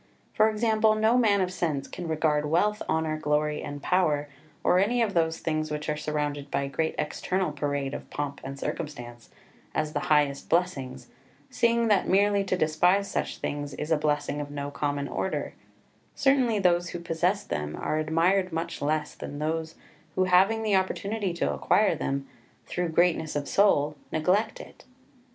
For example, no man of sense can regard wealth, honour, glory, and power, or any of those things which are surrounded by a great external parade of pomp and circumstance, as the highest blessings, seeing that merely to despise such things is a blessing of no common order: certainly those who possess them are admired much less than those who, having the opportunity to acquire them, through greatness of soul neglect it.